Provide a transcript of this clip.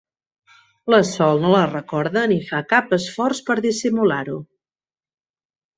La Sol no la recorda ni fa cap esforç per dissimular-ho.